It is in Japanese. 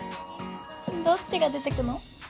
どっちが出てくの？